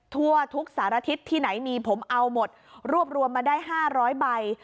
ทั่วทุกสารทิศที่ไหนมีผมเอาหมดรวบรวมมาได้๕๐๐ใบ